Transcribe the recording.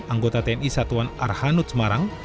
anggota tni satuan arhanud semarang